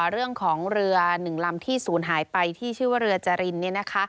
เรื่องของเรือหนึ่งลำที่ศูนย์หายไปที่ชื่อว่าเรือจริง